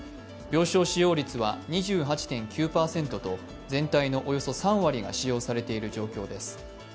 病床使用率は２８．９％と全体のおよそ３割が使用されている状況です。